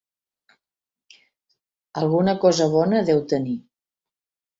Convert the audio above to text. Alguna cosa bona deu tenir.